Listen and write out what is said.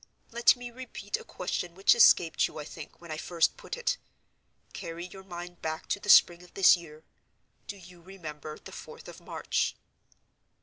Let me repeat a question which escaped you, I think, when I first put it. Carry your mind back to the spring of this year. Do you remember the fourth of March?"